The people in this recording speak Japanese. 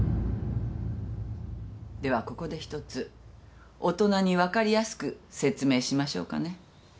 ではここで一つ大人に分かりやすく説明しましょうかね。